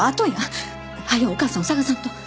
早うお母さんを捜さんと。